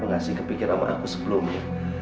kenapa tidak kepikiran aku sebelumnya